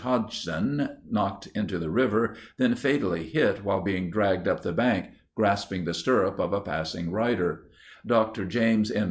Hodgson, knocked into the river, then fatally hit while being dragged up the bank grasping the stirrup of a passing rider; Dr. James M.